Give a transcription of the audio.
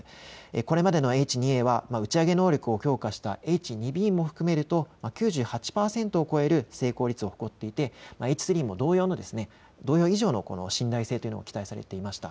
これまでのＨ２Ａは打ち上げ能力を強化したＨ２Ｂも含めると９８％を超える成功率を誇っていてＨ３も同様以上の信頼性というのが期待されていました。